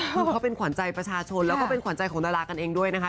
เพราะเป็นขวานใจประชาชนและเป็นขวานใจของดารากันเองด้วยนะคะ